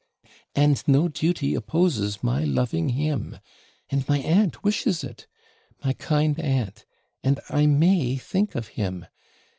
'And no duty opposes my loving him! And my aunt wishes it! my kind aunt! And I may think of him.